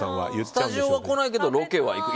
スタジオには来ないけどロケには行く。